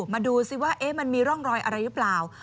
มาดูซิว่ามันมีร่องรอยอะไรหรือเปล่า